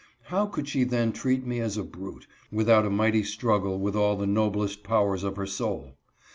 How could she then treat me as a brute, without a mighty struggle with all the noblest powers of her soul